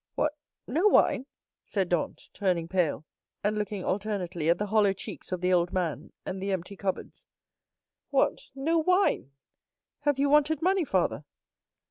"What, no wine?" said Dantès, turning pale, and looking alternately at the hollow cheeks of the old man and the empty cupboards. "What, no wine? Have you wanted money, father?"